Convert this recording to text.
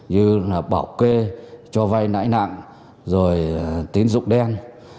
như bảo kê cho vai lãi nặng rồi tín dụng đen